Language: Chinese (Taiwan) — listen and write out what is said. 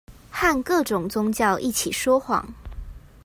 和各種宗教一起說謊